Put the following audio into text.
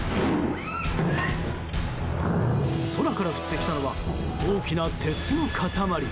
空から降ってきたのは大きな鉄の塊。